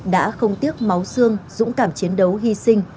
đã không tiếc máu xương dũng cảm chiến đấu hy sinh